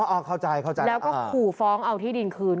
เอาเข้าใจเข้าใจแล้วก็ขู่ฟ้องเอาที่ดินคืน